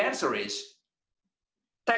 dan saya berkata